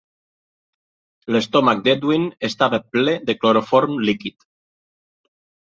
L'estomac d'Edwin estava ple de cloroform líquid.